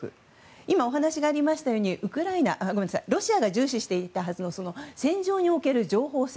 今お話がありましたようにロシアが重視していたはずの戦場における情報戦